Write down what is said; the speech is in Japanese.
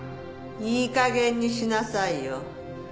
いい加減にしなさいよ。